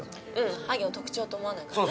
ハゲを特徴と思わないからね。